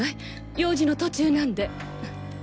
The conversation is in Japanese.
用事の途中なんで。